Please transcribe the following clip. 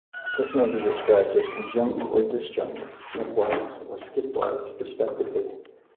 This may be described as conjunct or disjunct, stepwise or skipwise, respectively.